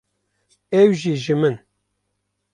ew jî ji min.